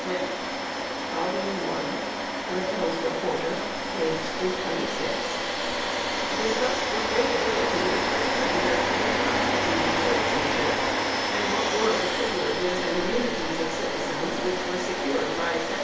Smith (1 Littell's Rep. 326)_, discussed with great ability the questions as to what constituted citizenship, and what were the "privileges and immunities of citizens" which were secured by Sec.